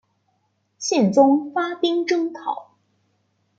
宪宗发兵征讨。